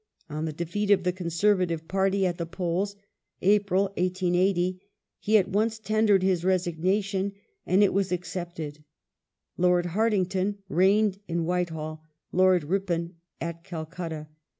On the defeat of the Conservative party at the polls (April, 1880) he at once tendered his resignation, and it was ac cepted. Lord Hartington reigned in Whitehall, Lord Ripon at Calcutta.